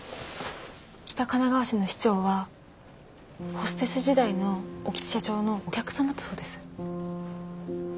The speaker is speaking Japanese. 北神奈川市の市長はホステス時代の興津社長のお客さんだったそうです。